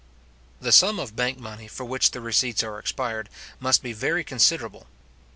The sum of bank money, for which the receipts are expired, must be very considerable.